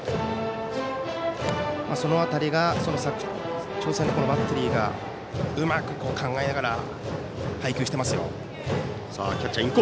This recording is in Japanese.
その辺りが佐久長聖のバッテリーが、うまく考えながら配球してますよ。